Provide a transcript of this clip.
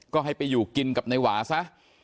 ก็ให้ไปอยู่กินกับนายหวาซะ